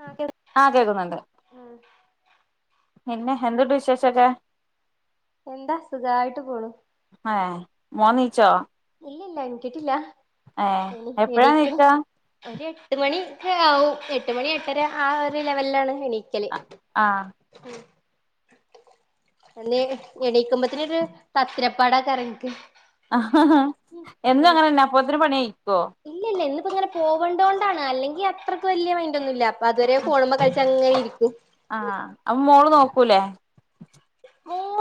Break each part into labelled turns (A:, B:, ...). A: ആഹ് കെ
B: ആഹ് കേക്കുന്നുണ്ട്
A: ഉം
B: പിന്നെ എന്തുണ്ട് വിശേഷൊക്കെ
A: എന്താ സുഖായിട്ട് പോണു
B: ഏഹ് മൊൻനീച്ചോ
A: ഇല്ല ഇല്ല്യ എണീറ്റില്ല
B: എപ്പഴാ
A: എണീക്കും
B: നീക്കാ
A: ഒരു എട്ട് മണിക്കെയാവും എട്ട് മണി എട്ടര ആ ഒരു ലെവലിലാണ് എണീ ക്കല്
B: ആഹ്
A: ആഹ് അല്ലേല് എണീക്കുമ്പൊത്ത്നൊര് തത്തിരപ്പാടേക്കാരം എനിക്ക്
B: എന്നും അങ്ങനെന്നെ അപ്പൊത്തിനും പണി കയിക്കോ
A: ഇല്ല ഇല്ല ഇന്നിപ്പ ഇങ്ങനെ പോവണ്ടോണ്ടാണ് അല്ലെങ്കി അത്രയ്ക്ക് വല്യയ മൈൻഡ് ഒന്നും ഇല്ലാ അപ്പൊ അതുവരെ ഫോണുമ്മെ കളിച്ച് അങ്ങനെ ഇരിക്കും
B: ആഹ് അപ്പം മോള് നോക്കൂലേ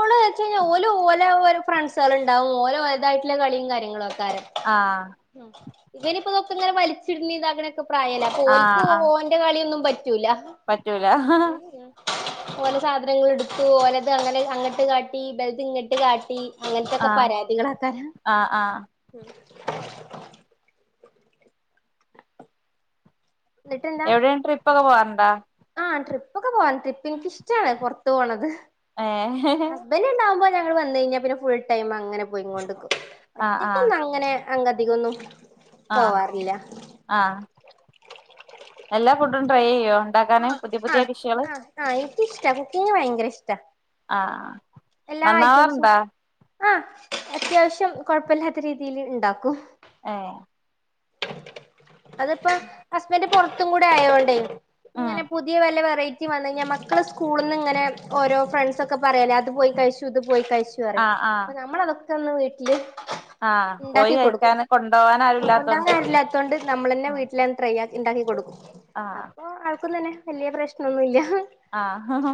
A: മോള് വെച്ച് കഴിഞ്ഞാ ഓല് ഓലാ ഒര് ഫ്രണ്ട്സാള് ഇണ്ടാവും ഓല ഓലതായിട്ടുള്ള കളിയും കാര്യങ്ങളും ആക്കാരം
B: ആഹ്
A: ഉം ഇവനിപ്പോ ഇതൊക്കെ ഇങ്ങനെ വലിച്ചിടുന്നെ ഇതാക്കണയൊക്കെ പ്രായല്ലെ അപ്പം
B: ആഹ്
A: ഓല്ക്കും ഓൻ
B: ആഹ്
A: ഓൻ്റെ കളിയൊന്നും പറ്റൂലാ
B: പറ്റൂല
A: ഓലെ സാധനങ്ങളെടുത്തു ഓല് അങ്ങനെ അങ്ങട്ട് കാട്ടി ഇബലത് ഇങ്ങട്ട് കാട്ടി അങ്ങനത്തൊക്കെ
B: ആഹ്
A: പരാതികള് ആക്കാരം
B: ആഹ് ആഹ്
A: ഉം എന്നിട്ടെന്താ
B: എവിടേം ട്രിപ്പ് ഒക്കെ പോവാറുണ്ടാ
A: ആഹ് ട്രിപ്പൊക്കെ പോവല്ണ്ട് ട്രിപ്പ് എനിക്കിഷ്ട്ടാണ് പൊറത്തു പോണത്
B: ഏഹ്
A: ഹസ് ബൻ്റ് ഇണ്ടാകുമ്പോ ഞങ്ങള് വന്ന് കഴിഞ്ഞാ പിന്നെ ഫുൾ ടൈം അങ്ങനെ പോയിങ്ങോണ്ട്ക്കും
B: ആഹ് ആഹ്
A: ഒറ്റയ്ക്കൊന്നും അങ്ങനെ അങ്ങ് അധികൊന്നും
B: ആഹ്
A: പോവാറില്ല
B: ആഹ് എല്ലാ ഫുഡും ട്രൈ ചെയ്യുവോ? ഇണ്ടാക്കാന്
A: ആഹ്
B: പുതിയ പുതിയ
A: ആഹ്
B: ഡിഷ്കള്
A: ആഹ് ആഹ് എനിക്കിഷ്ടാ കുക്കിംഗ് ഭയങ്കര ഇഷ്ടാ
B: ആഹ്
A: എല്ലാ ഐറ്റംസും
B: നന്നാവാറുണ്ടാ
A: ആഹ് അത്യാവശ്യം കൊഴപ്പല്ലാത്ത രീതിയില് ഇണ്ടാക്കും
B: ഏഹ്
A: അതിപ്പം ഹസ്ബൻ്റ് പൊറത്തും കൂടെ ആയോണ്ടേ
B: ഉം
A: ഇങ്ങനെ പുതിയ വല്ല വെറൈറ്റി റ്റി വന്ന് കഴിഞ്ഞാ മക്കള് സ്കൂളിന്ന് ഇങ്ങനെ ഓരോ ഫ്രണ്ട്സ് ഒക്കെ പറയല്ലേ അത് പോയി കഴിച്ചു ഇത് പോയി കഴി ച്ചു പറയും
B: ആഹ് ആഹ്
A: അപ്പൊ നമ്മളതൊക്കെ ഒന്ന് വീട്ടില്
B: ആഹ് പോയി
A: ഇണ്ടാക്കി കൊടുക്കും
B: കഴിക്കാന് കൊണ്ടോവാൻ ആരും
A: കൊണ്ടോൻ
B: ഇല്ലാത്തോണ്ട്
A: നേരല്ലാത്തോണ്ട് നമ്മളന്നെ വീട്ടില് ട്രൈയാക്കി ഉണ്ടാക്കി കൊടുക്കും
B: ആഹ്
A: അപ്പൊ ആൾക്കും തന്നെ വല്യ പ്രശ്നൊന്നുല്ല
B: ആഹ്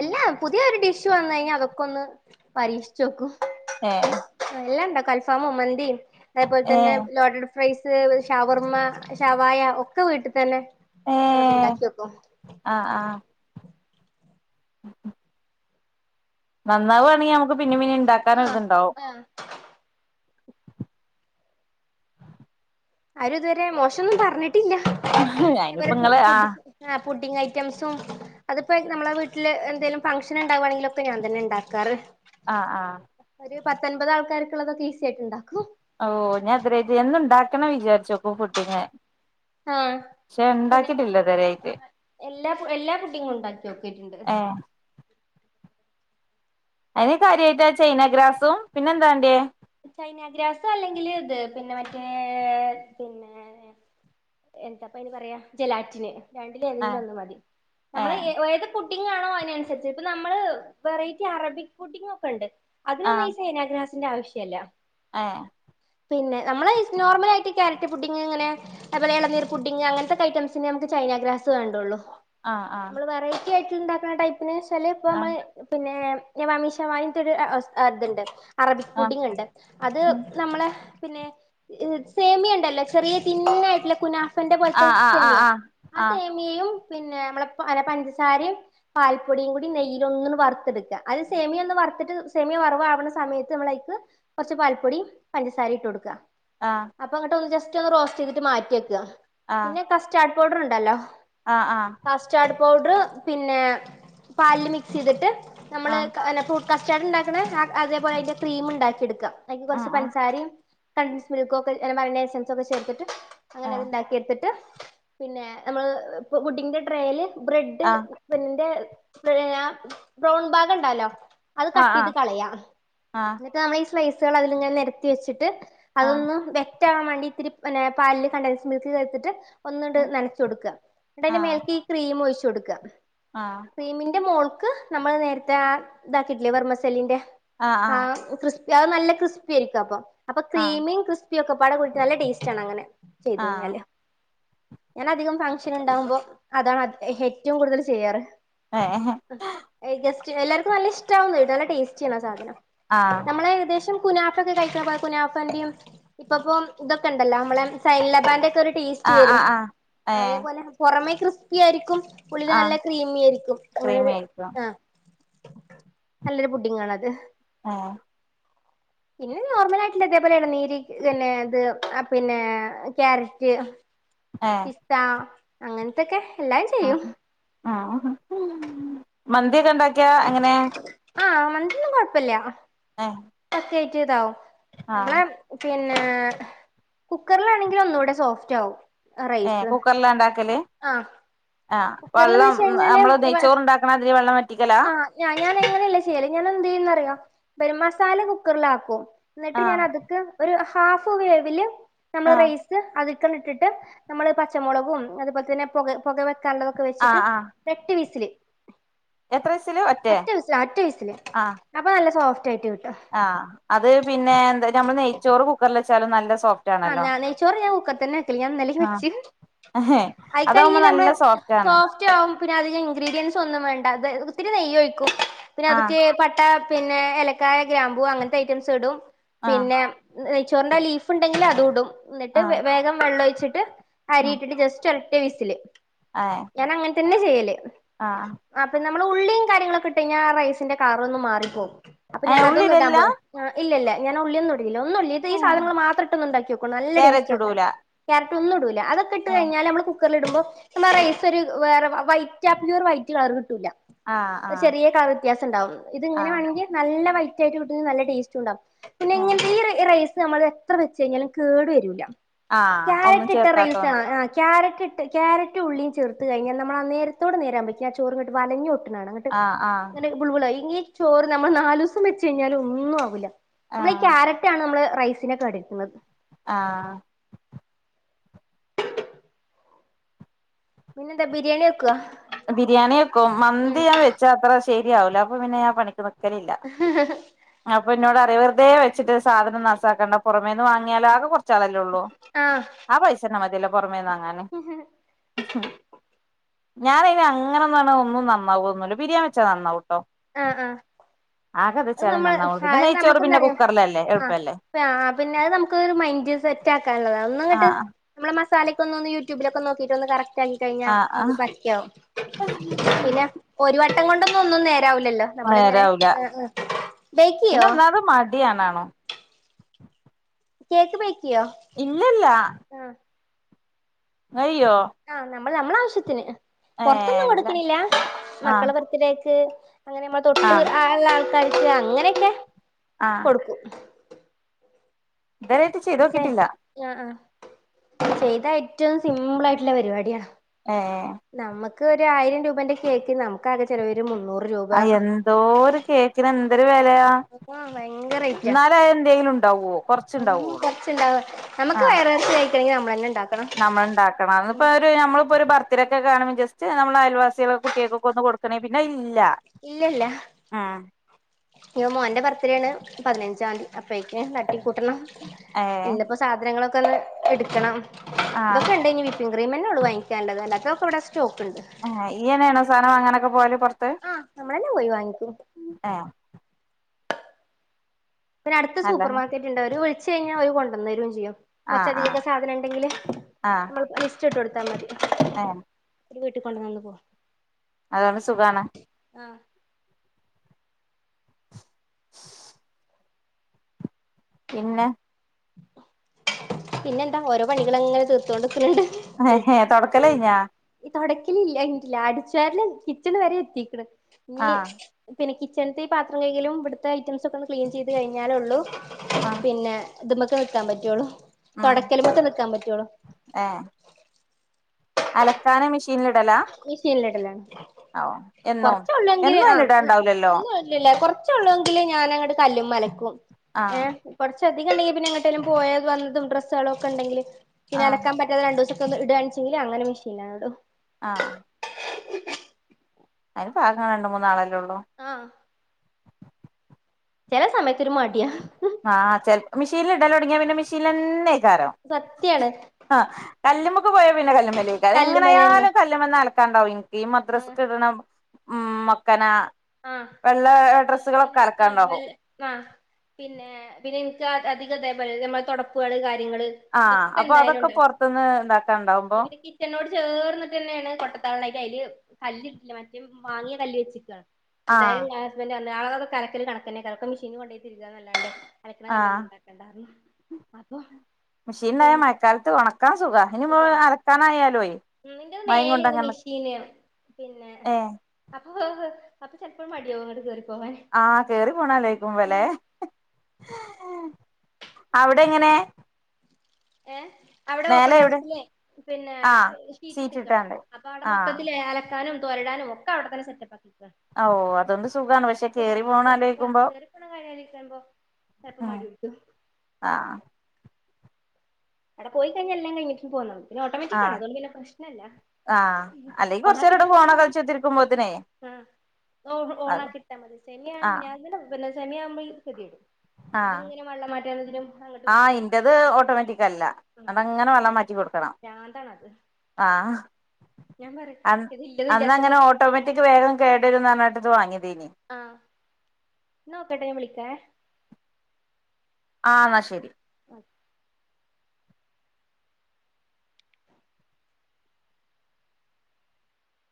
A: എല്ലാ പുതിയ ഒരു ഡിഷ് വന്ന് കഴിഞ്ഞാ അതൊക്കെ ഒന്ന് പരീക്ഷിച്ച് നോക്കും
B: ഏഹ്
A: എല്ലാം ഇണ്ടാക്കും അൽഫാമും മന്തിയും അതേപോലെ തന്നെ
B: ഏഹ്
A: ലോടഡ് ഫ്രൈസ് ഷവർമ്മ, ഷവായ ഒക്കെ വീട്ട് തന്നെ ഞങ്ങള്
B: ഏഹ്
A: ഇണ്ടാക്കി നോക്കും
B: ആഹ് ആഹ് നന്നാവാണെങ്കി നമുക്ക് പിന്നെ പിന്നെ ഇണ്ടാക്കൻ
A: ആഹ്
B: ഒരിതുണ്ടാവും
A: ആഹ് ആരും ഇതുവരെ മോശം ഒന്നും പറഞ്ഞിട്ടില്ല അതുപോലെ
B: അയിനിപ്പ ഇങ്ങള്
A: പുഡി
B: ആഹ്
A: ആഹ് പുഡ്ഡിംങ് ഐറ്റംസും അതിപ്പോ നമ്മളെ വീട്ടില് എന്തേലും ഫംഗ്ഷൻ ഇണ്ടാവാണെങ്കിലൊക്കെ ഞാൻ തന്നെ ഇണ്ടാക്കാറ്
B: ആഹ് ആഹ്
A: ഒരു പത്തൻമ്പത് ആൾക്കാര്ക്ക് ഇള്ളതൊക്കെ ഈസി ആയിട്ട് ഇണ്ടാക്കും
B: ഓഹ് ഞാൻ [unintelligible] യേന്ന് ഇണ്ടാക്കണം വിചാരിച്ചു ഇപ്പോ പുഡ്ഡിംങ്
A: ആഹ് പിന്നെ
B: ഇതുവരായിട്ട്
A: ആഹ് എല്ലാ എല്ലാ പുഡിങ്ങും ഇണ്ടാക്കി നോക്കീട്ടുണ്ട്
B: ഏഹ് അതിന് കാര്യായിട്ടാ ചൈന ഗ്രാസും പിന്നെ എന്താ വാണ്ടിയെ?
A: ചൈനഗ്രാസ് അല്ലെങ്കില് ഇത് പിന്നെ മറ്റേ പിന്നെ എന്താപ്പ അയിന് പറയാ ജലാറ്റിന് രണ്ടില് ഏതെങ്കിലും
B: ഏഹ്
A: ഒന്ന് മതി നമ്മള്
B: ഏഹ്
A: ഈ ഏത് പുഡ്ഡിങ്ങാണോ അയിനനുസരിച്ച് ഇപ്പം നമ്മള് വെറൈറ്റി അറബിക് പുഡ്ഡിംങ് ഒക്കെ ഇണ്ട് അതിനൊന്നും
B: ആഹ്
A: ഈ ചൈനാഗ്രാസിന്റെ ആവശ്യം ഇല്ല
B: ഏഹ്
A: പിന്നെ നമ്മളെ നോർമൽ ആയിട്ട് ഈ ക്യാരറ്റ് പുഡിങ്ങ് ഇങ്ങനെ അതുപോല എളനീർ പുഡിങ് അങ്ങനത്തെ ഐറ്റംസിനൊക്കെ നമ്മക്ക് ചെനഗ്രാസ് വേണ്ടുള്ളൂ
B: ആഹ് ആഹ്
A: നമ്മള് വെറൈറ്റി ആയിട്ട് ഇണ്ടാക്കണ ടൈപ്പിന് വെച്ചാല് ഇപ്പ നമ്മള് പിന്നെ ഞാൻ വാമീഷവായിട്ടൊരു അ ആഹ് ഇതുണ്ട് അറബിക്
B: ആഹ്
A: പുഡിങ് ഇണ്ട് അത് നമ്മളെ പിന്നെ ഇ സേമിയ ഇണ്ടല്ലോ ചെറിയ തിന്നായിട്ടുള്ള കുനാ ഫാന്റെ പോലത്തെ
B: ആഹ് ആഹ്
A: സേമിയ
B: ആഹ്
A: ആ
B: ആഹ്
A: സേമിയെയും പിന്നെ നമ്മളെപ് പഞ്ചസാരയും പാൽപ്പൊടിയും കൂടി നെയ്യില് ഒന്നും വറുത്തെടുക്ക അത് സെമിയ ഒന്ന് വറുത്തിട്ട് സെമിയ വറവ്വാകണ സമയത്ത് നമ്മള് അയി കൊർച്ച് പാൽപ്പൊടിയും പഞ്ചസാരയും ഇട്ട് കൊടുക്കുക
B: ആഹ്
A: അപ്പൊ അങ്ങോട്ട് ഒന്ന് ജസ്റ്റ് ഒന്ന് റോസ്റ്റ് ചെയ്തിട്ട് മാറ്റി വെക്കാ
B: ആഹ്
A: പിന്നെ കസ്റ്റാർഡ് പൗഡർ ഉണ്ടല്ലോ
B: ആഹ് ആഹ്
A: കസ്റ്റാർഡ് പൗഡറ് പിന്നെ പാൽല്ല് മിക്സ് ചെയ്തിട്ട് നമ്മള്
B: ആഹ്
A: കസ്റ്റേർഡ് ഉണ്ടാക്കണ അതേപോലെ അതിന്റെ ക്രീം ഉണ്ടാക്കി എടുക്ക അതിക്ക് കുറച്ച്
B: ആഹ്
A: പൻസാരീം. കൺൻസ് മിൽകൊക്കെ അല്ല മെയോണെസ് ഒക്കെ ചേർത്തിട്ട്
B: ആഹ്
A: അങ്ങനെണ്ടാക്കി എടുത്തിട്ട്. പിന്നെ നമ്മള് ഇ പു ബുഡിന്റെ ഡട്രയല് ബ്രെഡ്.
B: ആഹ്
A: ബന്നിന്റെ ഏ ആ ബ്രൗൺ ബാഗണ്ടാലോ.
B: ആഹ് ആഹ് ആഹ്
A: [unintelligible] നമ്മള ഈ സ്ലൈസുകൾ അതിലിങ്ങനെ നിരത്തി വെച്ചിട്ട്
B: ആഹ്
A: അതൊന്ന് വെ റ്റാവാൻ വേണ്ടിറ്റ് ഇത്തിരി ഏ പാലിൽ കണ്ടൻസ് മിൽക്ക് ചേർത്തിട്ട്. ഒന്ന്ണ്ട് നൻച്ചൊട്ക്കാ നട്ട് അയ്ന്റെ
B: ആഹ്
A: മേൽക്ക് ഈ ക്രീം ഒഴിച്ചു കൊടുക്കാ
B: ആഹ്
A: ക്രീമിന്റെ മോൾക്ക് നമ്മള് നേരത്തെ ആ ഇതാക്കിയിട്ടില്ലേ വെർമ്മസെല്ലിന്റെ
B: ആഹ്
A: ആ.
B: ആഹ്
A: ക്രിസ്പി അത് നല്ലക്രിസ്പിയിരിക്കും അപ്പൊ അപ്പൊ
B: ആഹ്
A: ക്രീമും ക്രിസ്പിയും ഒക്കെപാടെ കൂടിട്ട് നല്ല ടേസ്റ്റണ് അങ്ങനെ
B: ആഹ്
A: ചെയ്തഴിഞ്ഞല്. ഞാനധികം ഫംഗഷൻ ഉണ്ടാകുമ്പോ അതാണ് ഏറ്റവും കൂടുതൽ ചെയ്യാറ്.
B: ഏഹേ
A: ഏ ഗസ്റ്റ് എല്ലാർക്കും നല്ല ഇഷ്ടവുന്ന് നല്ല ടേസ്റ്റി ആണ് ആ സാധനം.
B: ആഹ്
A: നമ്മളെകദേശം കുനാഫ ഒക്കെ കഴിക്കാമ്പേ കുനാഫന്റെയും. ഇപ്പ പ്പോം ഇതൊക്കെ ഉണ്ടല്ലോ നമ്മളെ സൈലബാന്റെ ഒക്കെ ഒരു ടേസ്റ്റ്
B: ആഹ്
A: വരും
B: ആഹ് ആഹ് ഏഹ്
A: അതേപോലെ. പുറമേ ക്രിസ്പി ആയിരിക്കും ഉള്ളില് നല്ല
B: ആഹ്
A: ക്രീമിയിരിക്കും അങ്ങനെ ഒരു
B: ക്രീമായിരിക്കും
A: ആഹ. നല്ലൊരു ബുഡിങ്ങാണത്.
B: ആഹ്
A: പിന്നെ നോർമലായിട്ടുള്ളതേപോലെ ഇളനീര് പിന്നെ അത് പിന്നെ ക്യാരറ്റ്
B: ഏഹ്
A: പിസ്ത അങ്ങൻത്തൊക്കെ എല്ലാം ചെയ്യും
B: ആഹ് ആഹ് മന്തി ഒക്കെണ്ടാക്കിയാ എങ്ങനെ
A: ആഹ് മന്തിയൊന്നും കൊഴപ്പല്ല
B: ആഹ്
A: [unintelligible] നമ്മളെ പിന്നെ കുക്കറിലാണെങ്കില് ഒന്നൂടെ സോഫ്റ്റാവും
B: ഏഹ് കുക്കർല്ലാണ്ടാക്കല് ആഹ്
A: കുക്കറിൽന്ന്
B: വെള്ളം
A: വെച്ച് കഴിഞ്ഞാല്
B: നമ്മള് നെയ്ച്ചോറ് ഉണ്ടാക്ക്ണാതിരി വെള്ളം വറ്റിക്കലാ
A: ആഹ് ഞാൻ ഞാനങ്ങനെയല്ല ചെയ്യല് ഞാനെന്തെയ്യുന്നറിയോ [unintelligible] മസാല കുക്കറിലാക്കും ന്നിട്ട്
B: ആഹ്
A: ഞാനതിക്ക് ഒരു ഹാഫ് വേവില് നമ്മൾ
B: ആഹ്
A: റൈസ് അത്ക്കണ്ടിട്ടിട്ട് നമ്മള് പച്ചമുളകും അതുപോൽതന്നെ പൊ പുക വെക്കാാനുള്ളതൊക്കെ വെച്ചിട്ട്
B: ആഹ് ആഹ്
A: എട്ട് വീസില്
B: എത്ര വിസില് ഒറ്റേ
A: ഒറ്റ വസീല അട ഒറ്റ വീസില്
B: ആഹ്
A: അപ്പൊ നല്ല സോഫ്റ്റ് ആയിറ്റ്കിട്ടും
B: ആഹ് അത് പിന്നെ എന്താ നമ്മള് നെയ്ച്ചോറ് കുക്കർല് വെച്ചാലും നല്ല സോഫ്റ്റ്
A: ആഹ്
B: ആണല്ലോ
A: ഞാൻ നെയ്‌ച്ചോറ് ഞാ ഉക്കർത്തന്നെ വെക്കല് ഞാൻ ഇന്നലീ വെച്ചീന്ന്
B: ആഹ്
A: ആയിക്കഴിഞ്ഞ
B: അതാവുമ്പോ
A: നമ്മള
B: നല്ല സോഫ്റ്റ്
A: സോ
B: ആണ്
A: സ്റ്റാവുമ്പോ പിന്നെ അധികം ഇൻഗ്രീഡിയൻസ് ഒന്നും വേണ്ട അത് ഇത്തിരി നെയ്യൊയ്ക്കും പിന്നെ
B: ആഹ്
A: അതൊക്കെ പട്ട പിന്നെ ഏലക്കായ ഗ്രാംമ്പൂ അങ്ങൻത്തെ ഐറ്റംസ് ഇടും
B: ആഹ്
A: പിന്നെ നേയ്ചോറിന്റെ ലീഫ് ണ്ടെങ്കില് അതുടും എന്നിട്ട്
B: ആഹ്
A: വേഗം വെള്ളം ഒഴിച്ചിട്ട് അരിയിട്ടിട്ട് ജസ്റ്റ് ട്ടൊരറ്റവസില്
B: ആഹ്
A: ഞാനങ്ങൻതന്നെ ചെയ്യല്
B: ആഹ്
A: അപ്പൊ നമ്മള് ഉള്ളിയും കാര്യങ്ങളൊക്കെ ഇട്ട കഴിഞ്ഞാ ആ റൈസിന്റെ കളർ ഒന്നും മാറിപ്പോകും അപ്പ
B: ഏഹ്
A: ഞാന്
B: ഉള്ളി
A: അതൊന്നും ഇടാൻ
B: ഇടലില്ല
A: പോ ആ ഇല്ല ഞാൻ ഉള്ളിയൊന്നുംടല്ല ഒന്നും ഇടില്ല ഇത്
B: ഏഹ്
A: സധനങ്ങൾ മാത്രം ഇട്ടൊന്ന് ഉണ്ടാക്കി നോക്കൂ നല്ല ടേസ്റ്റ്
B: ക്യാരറ്റ്
A: ആക്കാൻ
B: ഇടൂല
A: കാരറ്റ് ഒന്നുടൂല അതൊക്കെ ഇട്ട്
B: ഏഹ്
A: കഴിഞ്ഞാല് നമ്മള് കു ക്കെ ഇടുമ്പോ നമ്മ റൈസ് ഒരു വേറെ വൈറ്റ് ആ പ്യൂർ വൈറ്റ് കളർ കിട്ടൂല്ല
B: ആഹ് ആഹ്
A: ചെറിയ കളർ വ്യത്യാസണ്ടാവും ഇത് ഇങ്ങനെ
B: ആഹ്
A: വേണങ്കി നല്ല വൈറ്റായിട്ട് കിട്ടോങ്കി നല്ല ടേസ്റ്റ് ഉണ്ടാവും പിന്നെ
B: ഏഹ്
A: ഇങ്ങനത്തെ ഈ റൈസ് നമ്മള് എത്ര വെച്ച് കഴിഞ്ഞാലും കേടു വരൂല്യ
B: ആഹ് ഒന്നും
A: ക്യാരറ്റ് ഇട്ട റൈസ്
B: ചേർക്കാത്തോണ്ട്
A: ആണ് ക്യാരറ്റ് ക്യാരറ്റ് ഉള്ളിയും ചേർത്ത് കഴിഞ്ഞാ നമ്മളാ നേരത്തോട് നേരാവുമ്പോക്ക്‌ ആ ചോറിങ്ങട്ട് വലഞ്ഞൊട്ട്ണ കാണാം
B: ആഹ് ആഹ്
A: ബുള് ബുളായി ഇങ്ങനെ ചോറ് നമ്മള് നാലൂസം വെച്ച് കഴിഞ്ഞാല് ഒന്നും ആവൂല്ല നമ്മളീ
B: ആഹ്
A: ക്യാരറ്റാണ് നമ്മള് റൈസിനെക്കെ വേണ്ടി എടുക്കുന്നത്
B: ആഹ്
A: പിന്നെന്താ ബിരിയാണി വെക്കോ
B: ബിരിയാണി വെക്കും മന്തി ഞാൻ വെച്ചാ അത്ര ശരിയാവുല അപ്പൊ പിന്നെ ആ പണിക്ക് നിൽക്കലില്ല
A: [unintelligible]
B: അപ്പൊ ഇന്നോട് പറയും വറുതെ വെച്ചിട്ട് സാധനം നാസാക്കണ്ട പുറമേന്ന് വാങ്ങിയാല ആകെ കുറ ചാളല്ലേയുള്ളൂ
A: ആഹ്
B: ആ പൈസെന്ന മതിയല്ലോ പുറമേന്ന് വാങ്ങാൻ ഞാന അയിന് അങ്ങനൊന്നും പറഞ്ഞ ഒന്നും നന്നാവൊന്നുല്ല ബിരിയാണി വച്ചാ നന്നാവൂട്ടോ
A: ആഹ് ആഹ്
B: ആകെ അത് വെച്ചാല്
A: നമ്മള്
B: നന്നാവു
A: ആ
B: പിന്നെ
A: അത്
B: നെയ്ച്ചോറ് പിന്നെ
A: നമുക്കെന്തറിയാം
B: കുക്കറിലല്ലേ
A: ആഹ്
B: എളുപ്പല്ലേ
A: ആ പിന്നെ അയ് നമുക്ക് ഒരു മൈൻഡ് സെറ്റാക്കാനുള്ളതാ ഒന്നങ്ങട്ട്
B: ആഹ്
A: നമ്മളെ മാസലൊക്കെ ഒന്നൊന്ന് യൂട്യൂബിലൊക്കെ നോക്കീറ്റൊന്ന് കറക്റ്റ് ണ്ടാക്കി കയിഞ്ഞ
B: ആഹ് ആഹ്
A: പക്കാവും പിന്നെ ഒരു വട്ടം കൊണ്ടൊന്നും ഒന്നും നേരാവുല്ലല്ലോ നമ്മളിങ്ങനെ
B: നേരാവൂല
A: ബേക്കിയോ
B: യാനാണോ
A: കേക്ക് ബേക്കിയോ
B: ഇല്ലല്ല
A: ആഹ്
B: ഇങ്ങയ്യോ
A: ആഹ് ഞമ്മള് ഞമ്മളാവശ്യത്തിന്
B: ഏഹ്
A: പൊറത്തൊന്നും
B: ഇല്ല
A: കൊടുക്കണില്ല
B: ആഹ്
A: മക്കളെ ബർത്തഡേക്ക്‌ അങ്ങനെ മ
B: ആഹ്
A: ള്ള ആൾക്കാർക്ക് അങ്ങനെയൊക്കെ
B: ആഹ്
A: കൊടുക്കും
B: ഇതെരായിട്ട്
A: പക്ഷേ
B: ചെയ്തോക്കിട്ടില്ല
A: ആ ആ ചെയ്താ ഏറ്റവും സിമ്പിളായിട്ടുള്ള പരിപാടിയാ
B: ഏഹ്
A: നമ്മക്ക് ഒരു ആയിരം രൂപന്റെ കേക്കിന് നമുക്കാകെ ചെലവ് വരാ മുന്നൂറ് രൂപ
B: ആഹ് എന്തോരു കേക്കിന് എന്തൊരു വെലയാ
A: ആ ഭയങ്കര റേറ്റ
B: എന്നാലും അത് എന്തെങ്കിലും ഉണ്ടാവോ കൊറച്ചുണ്ടാവുള്ളൂ
A: കൊറച്ചണ്ടാവ നമുക്ക് വയറ്നെറയെ ഞ്ഞ നമ്മളന്നേ ഇണ്ടാക്കണം
B: നമ്മള്ണ്ടാക്കണം അത് ഇപ്പൊ
A: ഉം
B: ഒരു നമ്മളിപ്പോ ഒരു ബർത്ത്ഡേക്കൊക്കെ വേണം ജസ്റ്റ് നമ്മള് അയൽവാസികൾ കുട്ടിയേക്കൊക്കെ ഒന്ന് കൊടു ണെ പിന്നയില്ല
A: ഇല്ലല്ല മോന്റെ ബർത്ത്ഡേ ആണ് പതിനഞ്ചാന്തി അപ്പഴേക്ക് തട്ടി കൂട്ടണം
B: ഏഹ്
A: ഇന്നിപ്പൊ സാധനങ്ങളൊക്കെ ഒന്ന് ഇടുക്കണം
B: ആഹ്
A: ഇതൊക്കെ ഇണ്ട് ഇനി വി പ്പിംഗ് ക്രീമെന്നേ ഒള്ളൂ വാങ്ങിക്കാള്ളത് അല്ലാത്തതൊക്കെ ഇവടെ സ്റ്റോക്ക്ണ്ട്
B: ആ ഇയ്യെന്നാണോ സാനം വാങ്ങാനൊക്കെ പോവല് പൊറത്ത്
A: ആഹ് നമ്മളന്നെ പോയി വാങ്ങിക്കും
B: ആഹ്
A: പിന്നട്ത്ത്
B: നല്ല
A: സൂപ്പർമാർക്കറ്റ്ണ്ട് ഓര് വിൽച്ചഴിഞ്ഞാ ഓര് കൊണ്ടന്നേരും ചെയ്യും.
B: ആഹ് ആഹ്
A: കൊർച്ചധികൊക്കെ സാധനണ്ടെങ്കില് നമ്മൾ ലിസ്റ്റ്ട്ടോട്ത്താ മതി.
B: ആഹ്
A: ഓര് വീട്ടി കൊണ്ടന്നന്ന് പോവും.
B: അതൊണ്ട് സുഖാണ്.
A: ആഹ്
B: പിന്നെ
A: പിന്നെ ന്താ ഓരോ പണികളങ്ങനെ തീർത്തോണ്ട്ക്ക്ണ്‌ണ്ട്.
B: തൊടക്കലയ്ഞ്ഞാ?
A: ഇ തൊടക്കലില്ല കയ്നിട്ടില്ല. അടിച്ചാരല് കിച്ചണ് വരെ എത്തിക്ക്ണ് ഇഞ്
B: ആഹ്
A: പിന്നെ കിച്ചൺത്തെ ഈ പാത്രം കഴ്കലും ഇവട്ത്തെ ഐറ്റംസൊക്കൊന്ന് ക്ലീൻ ചെയ്ത് കഴിഞ്ഞാലൊള്ളൂ
B: ആഹ്
A: പിന്നെ ഇത് മ്മക്ക് നിക്കാം പറ്റ്വോള്ളു.
B: ഉം
A: തൊടക്കല്മ്മക്ക് നിക്കാം പറ്റോള്ളു.
B: ഏഹ് അലക്കാന് മിഷീൻലിടലാ.
A: മിഷീൻലിടലാണ്
B: എന്നും
A: കൊറ്ച്ചൊള്ളെങ്കില്
B: എന്നും
A: ആഹ് [unintelligible]
B: അയിനിടാണ്ടാവൂലല്ലോ
A: എന്നുടലില്ല കൊറ്ച്ചോള്ളെങ്കില് ഞാനങ്ങട് കല്ല് മ്മലക്കും
B: ആഹ്
A: ഏഹ് കൊറ്ച്ചധികണ്ടെങ്കി പിന്നെ എങ്ങട്ടേലും പോയേത് വന്നതും ഡ്രസ്സോളക്കെണ്ടെങ്കില്
B: ആഹ്
A: പിന്നലക്കൻ പ റ്റാതെ രണ്ടൂസൊക്കൊന്ന് ഇടാണെച്ചെങ്കില് അങ്ങനെ മെഷീൻലാടും.
B: ആഹ് ആഹ് അയിന് പ്പാക ഇങ്ങള് രണ്ട് മൂന്നാളെല്ലൊള്ളൂ?
A: ആഹ് ചെല സമയത്തൊരു മട്യാ
B: ആഹ് ചെൽ മിഷീനില് ടലൊട്ങ്ങ്യാ പിന്നെ മെഷീനിലെന്നെയ്ക്കാരം.
A: സത്യാണ്.
B: ആഹ് കല്ല്മ്മക്ക് പോയാ പിന്നെ കല്ല്മ്മലേക്കാരം
A: കല്ലുമലന്നെ
B: എങ്ങനായാലും കല്ലുമ്മന്നലക്കാണ്ടാവും ഇൻ ഈ
A: ആഹ്
B: മദ്രസ്ക്ക്ട്ണ ഉം മക്കന.
A: ആഹ്
B: വെള്ള
A: ആഹ് പിന്നെ ആഹ്
B: ഡ്രസ്സുകളൊക്കലക്കാണ്ടാവും.
A: വല്ല ആഹ് പിന്നെ പിന്നെ ഇൻക്ക് അത് അധികതെ പോല ഞമ്മളെ തൊടപ്പള് കാര്യങ്ങള്
B: ആഹ്
A: ഇതൊക്കെ
B: അപ്പൊ
A: എന്തായാലും
B: അതൊക്കെ പൊറ്ത്ത്ന്ന് താക്കാണ്ടാവുമ്പോ.
A: ക്കന്നോട് ചേർന്ന്ട്ടെന്നെണ് കൊട്ടത്തള [unintelligible] അയ്റ്റയ്ല് കല്ല്ല്ല മറ്റേ മാങ്ങ്യ കല്ല് വെച്ചക്കാ.
B: ആഹ്
A: എന്തായാലും ഞാ ഹസ്ബൻറ് നോട റഞ്ഞു. എന്തായാലും ഞാ ഹസ്ബെൻഡർഞ്ഞ് അതൊക്കെ അലക്കല് കണക്കെന്നെക്കാരം ഒക്കെ മിഷിനില് കൊണ്ടോയി തിര്മ്പാനല്ലാതെ അലക്ക്ണ
B: ആഹ്
A: കല്ലൊന്നു ണ്ടാ ക്കണ്ടാർഞ്ഞ്. അപ്പൊ
B: മിഷീനിലായാ
A: പിന്നെ
B: മയക്കാലത്ത് ഒണക്കാൻ സുഖാ ഇനിപ്പോ അലക്കാനായാലൊയ്.
A: ഇണ്ണിന്റെ മേലേണ് മിഷീന് പിന്നെ
B: ഏഹ്
A: അപ്പൊ വേ അപ്പൊ ചെല് പ്പോ മട്യാവും അങ്ങട്ട് കേറി പോവാന്.
B: ആഹ് കേറി പോണാലോയ്ക്കുമ്പലെ
A: ഉം
B: അവടെ ങ്ങനെ?
A: ഏഹ് അവടെ ഓപ്പൺ
B: എവിടെ
A: ടെറസിലെയ് പിന്നെ
B: ആഹ്
A: ഷീറ്റിട്ടെക്കാണ്
B: സീറ്റിട്ടാണ്ട്
A: അപ്പൊ അവടെ
B: ആഹ്
A: മൊത്തത്തില് അല ക്കാനും തോരടാനും ഒക്കെ അവടെ തന്നെ സെറ്റപ്പാക്കി
B: ഓഹ് അതൊണ്ട് സുഖാണ്. പക്ഷെ കേറി പോണലോയ്ക്കുമ്പോ.
A: [unintelligible] മ്പോ ചെലപ്പോ മടിപിടിക്കും.
B: ആഹ്
A: അവട പോയി കഴിഞ്ഞ എല്ലാം കയിഞ്ഞിട്ട് ങ്ങട്ട് പോന്നമതി. ഓരോട്ടോമാറ്റിക്കാണ്
B: ആഹ്
A: അതൊണ്ട് പിന്നെ പ്രശ്നല്ല ഓണാകിട്ട് പോ
B: ഓണ വെച്ചുതിരിക്കുമ്പോത്ത്നെയ്
A: ആഹ് ഓട് ഓണകിട്ടാ മതി
B: ആഹ്
A: സെമിയാണെങ്കി [unintelligible] പിന്നെ സെമിയാകുമ്പോ ഈ സെരിടും.
B: ആഹ്
A: അങ്ങട്ടും
B: ആ
A: ഇങ്ങട്ടും
B: ഇന്റത്
A: നടക്കും
B: ഓട്ടോമാറ്റിക്കല്ല. ഞമ്മളിങ്ങനെ വെള്ളം മാറ്റി കൊടുക്കണം,
A: ഭ്രാന്താണത്
B: ആഹ് ആഹ് ആ
A: ഞാൻ പറയും ഇത് ഇല്ലതും ഇല്ലാത്ത
B: ക്ക് വേം കേടരുന്ന് എന്നട്ടയിത് വാങ്ങിയതേനി.
A: ആഹ എന്ന നോക്കട്ടെ ഞാൻ വിളിക്കാ.
B: ആ എന്നാ ശരി.
A: അ